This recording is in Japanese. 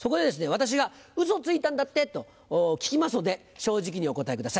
私が「ウソついたんだって？」と聞きますので正直にお答えください。